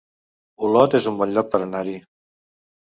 Olot es un bon lloc per anar-hi